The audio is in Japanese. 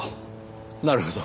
なるほど。